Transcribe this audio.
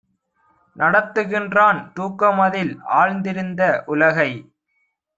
நடத்துகின்றான் தூக்கமதில் ஆழ்ந்திருந்த உலகை!